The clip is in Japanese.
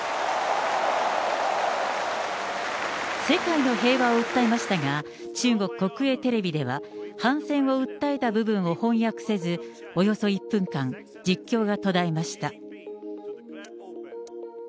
世界の平和を訴えましたが、中国国営テレビでは、反戦を訴えた部分を翻訳せず、およそ１分間、実況が途絶えました。